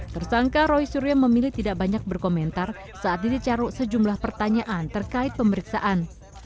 tersangka roy suryo memilih tidak banyak berkomentar saat dicaru sejumlah pertanyaan terkait pemeriksaan